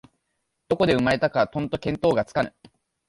どこで生まれたかとんと見当がつかぬ